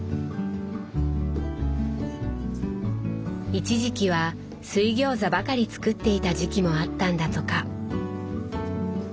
一時期は水ギョーザばかり作っていた時期もあったんだとか。